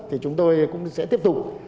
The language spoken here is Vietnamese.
thì chúng tôi cũng sẽ tiếp tục